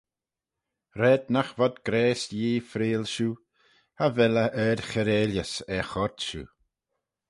Raad nagh vod graase Yee freayl shiu, cha vel e ard-chiarailys er choyrt shiu.